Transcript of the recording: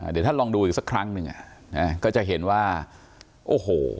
เดี๋ยวท่านลองดูอีกสักครั้งหนึ่งก็จะเห็นว่าโอ้โห